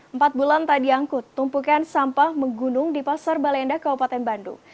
empat bulan tadi angkut tumpukan sampah menggunung di pasar balai endah kabupaten bandung